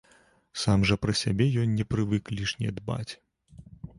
Сам жа пра сябе ён не прывык лішне дбаць.